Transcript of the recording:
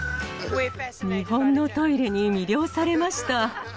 日本のトイレに魅了されました。